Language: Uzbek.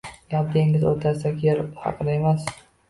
Gap dengiz oʻrtasidagi yer haqida emas